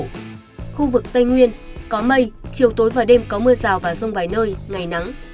khu vực tây nguyên có mây chiều tối và đêm có mưa rào và rông vài nơi ngày nắng